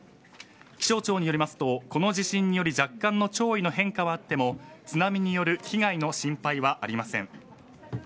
気象庁によりますとこの地震により若干の潮位の変化はあっても津波による被害の心配はありません。